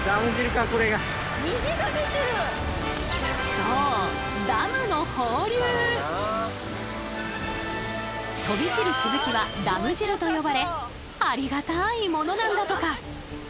そう飛び散るしぶきは「ダム汁」と呼ばれありがたいものなんだとか。